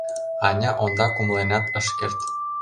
Аня ондак умыленат ыш керт.